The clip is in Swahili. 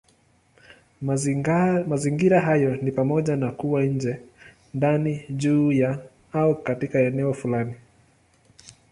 Mazingira hayo ni pamoja na kuwa nje, ndani, juu ya, au katika eneo fulani.